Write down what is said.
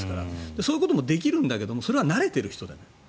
そういうこともできるんだけどそれは慣れている人で。